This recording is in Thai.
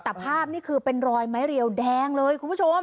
แต่ภาพนี่คือเป็นรอยไม้เรียวแดงเลยคุณผู้ชม